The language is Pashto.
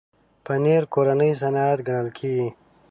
پنېر کورنی صنعت ګڼل کېږي.